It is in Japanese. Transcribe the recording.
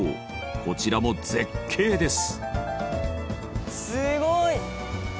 こちらも絶景です。